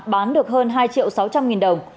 bán được hơn hai triệu sáu trăm linh nghìn đồng